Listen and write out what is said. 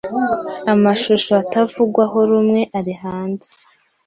amashusho atavugwaho rumweari hanze